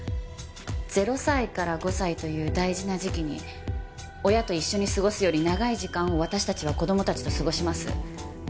０歳から５歳という大事な時期に親と一緒に過ごすより長い時間を私たちは子供たちと過ごします。